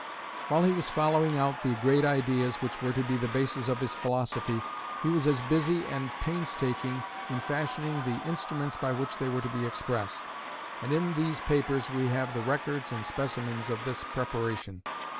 While he was following out the great ideas which were to be the basis of his philosophy, he was as busy and as painstaking in fashioning the instruments by which they were to be expressed; and in these papers we have the records and specimens of this preparation.